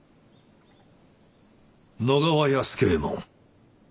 野川屋助右衛門。